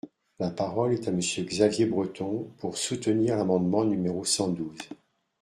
La parole est à Monsieur Xavier Breton, pour soutenir l’amendement numéro cent douze.